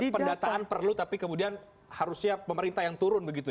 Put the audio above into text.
pendataan perlu tapi kemudian harusnya pemerintah yang turun begitu ya